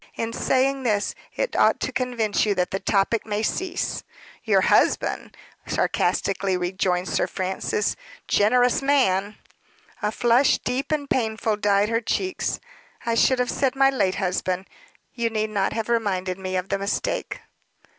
In saying this, it ought to convince you that the topic may cease." "Your husband!" sarcastically rejoined Sir Francis. "Generous man!" A flush, deep and painful, dyed her cheeks. "I should have said my late husband. You need not have reminded me of the mistake."